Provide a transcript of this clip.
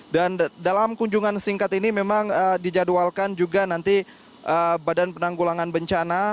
dan dalam kunjungan singkat ini memang dijadwalkan juga nanti badan penanggulangan bencana